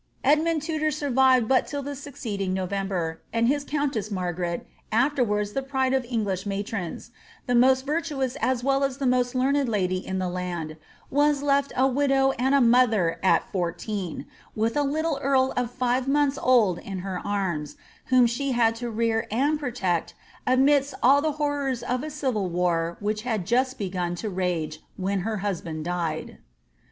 Edmund Tudor survived but till the succeeding November ; and his countess Maigaret, afterwards the pride of English matrons, the most virtuous as well as the most learned lady in the land, was left a widow and a mother at fourteen, with a little earl of five months old in her arms, whom she had to rear and protect amidst all the horrors of a eivil war which had just begun to rage when her husband died.